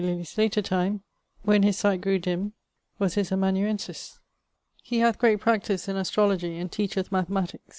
Lilly's later time, when his sight grew dimme, was his amanuensis. He hath great practise in astrologie, and teacheth mathematiques.